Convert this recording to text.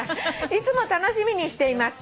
「いつも楽しみにしています。